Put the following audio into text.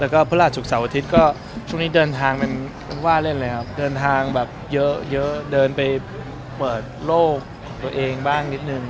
แล้วก็หรือหลับสุดสะอาทิตย์ก็ช่วงนี้เดินทางอะไรตามว่าเล่นยังแม่ง